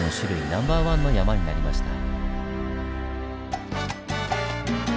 ナンバーワンの山になりました。